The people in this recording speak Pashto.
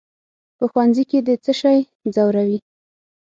"په ښوونځي کې دې څه شی ځوروي؟"